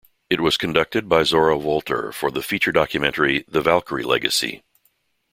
It was conducted by Zora Wolter for the feature documentary, "The Valkyrie Legacy".